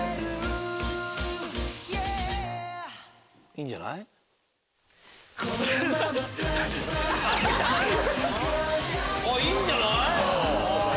いいんじゃない？いいんじゃない？